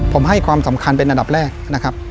ผมให้ความสำคัญเป็นอันดับแรกนะครับ